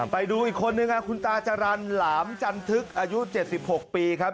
ไปดูอีกคนนึงคุณตาจรรย์หลามจันทึกอายุ๗๖ปีครับ